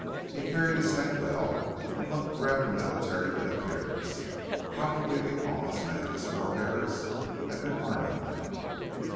He carried his head well, and looked rather military in appearance, probably because many of his forebears had been Army men.